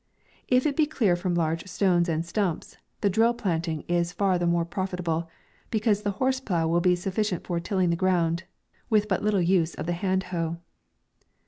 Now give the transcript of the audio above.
If it be clear from large stones and stumps, the drill planting is far the most profitable, be cause the horse plough will be sufficient for tilling the ground, w r ith but little use of the hand hoe.